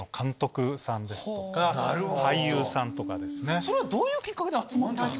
それはどういうきっかけで集まったんですか？